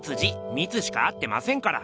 「ミツ」しか合ってませんから。